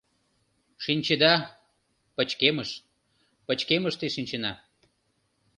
Шинчеда... пычкемыш... пычкемыште шинчена...